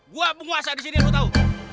gua menguasai disini lu tau